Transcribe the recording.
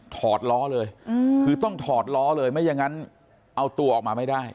ถอดล้อเลยคือต้องถอดล้อเลยไม่อย่างนั้นเอาตัวออกมาไม่ได้